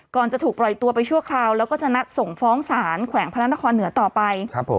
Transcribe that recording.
ก่อนจะถูกปล่อยตัวไปชั่วคราวแล้วก็จะนัดส่งฟ้องศาลแขวงพระนครเหนือต่อไป